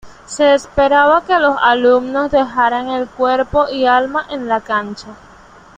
Se esperaba que los alumnos dejaran el cuerpo y alma en la cancha.